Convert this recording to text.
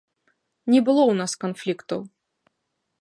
Не было ў нас канфліктаў.